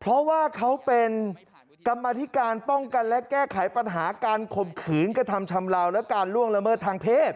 เพราะว่าเขาเป็นกรรมธิการป้องกันและแก้ไขปัญหาการข่มขืนกระทำชำลาวและการล่วงละเมิดทางเพศ